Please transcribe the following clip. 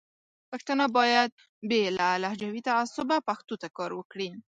پښتانه باید بې له لهجوي تعصبه پښتو ته کار وکړي.